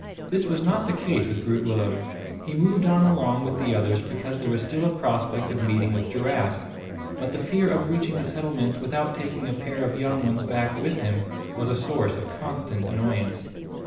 This was not the case with Groot Willem. He moved on along with the others because there was still a prospect of meeting with giraffes; but the fear of reaching the settlements without taking a pair of young ones back with him was a source of constant annoyance.